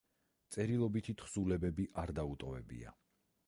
წერილობითი თხზულებები არ დაუტოვებია.